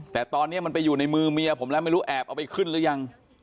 แต่ตอนนี้มันไปอยู่ในมือเมียผมแล้วไม่รู้แอบเอาไปขึ้นหรือยัง